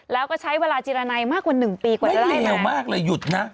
แล้วก็ใช้เวลาจิลันไนมากกว่า๑ปีกว่าได้ไม่เลวมากเลยหยุดนะ